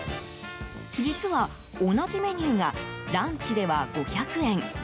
実は、同じメニューがランチでは５００円。